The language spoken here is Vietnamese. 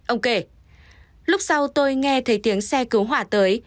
ông kể lúc sau tôi nghe thấy tiếng xe cứu hỏa tới